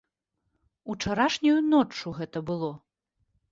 Учарашняю ноччу гэта было.